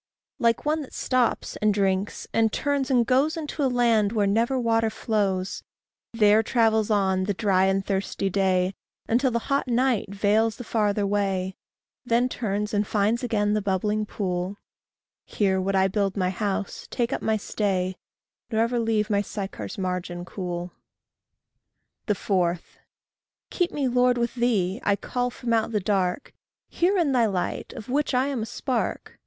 Like one that stops, and drinks, and turns, and goes Into a land where never water flows, There travels on, the dry and thirsty day, Until the hot night veils the farther way, Then turns and finds again the bubbling pool Here would I build my house, take up my stay, Nor ever leave my Sychar's margin cool. 4. Keep me, Lord, with thee. I call from out the dark Hear in thy light, of which I am a spark.